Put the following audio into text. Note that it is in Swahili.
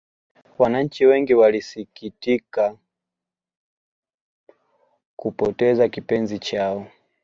Wananchi wengi walisikitikam kupoteza kipenzi chao